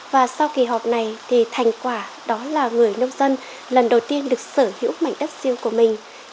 và sau kỳ họp này thì thành quả đó là người nông dân lần đầu tiên được sở hữu mảnh đất riêng của mình